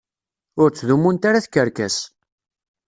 Ur ttdumunt ara tkerkas.